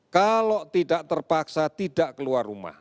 kalau tidak terpaksa tidak keluar rumah